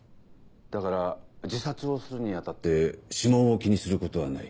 だから自殺をするに当たって指紋を気にすることはない。